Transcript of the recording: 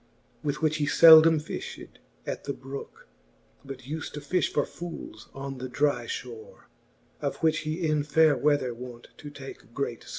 With which he leldome fifhed at the brooke> But ulH to fifh for fooles on the dry fhore, Of which he in faire weather wont to take great (lore.